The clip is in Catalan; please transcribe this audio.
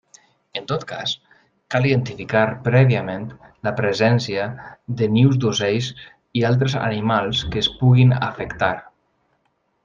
En tot cas, cal identificar prèviament la presència de nius d'ocells i altres animals que es puguin afectar.